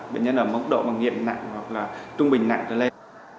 bệnh nhân ở mức độ nghiện nặng hoặc là trung bình nặng cho lên